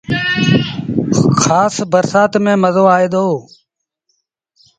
کآس برسآت ميݩ مزو آئي دو۔